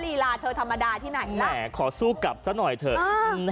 ลีลาเธอธรรมดาที่ไหนแหม่ขอสู้กลับสักหน่อยเถอะอ่า